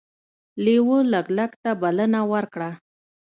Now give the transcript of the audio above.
لیوه لګلګ ته بلنه ورکړه.